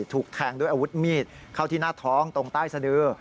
ถูกแทงด้วยอาวุธมีดเข้าที่หน้าท้องตรงใต้สะดือ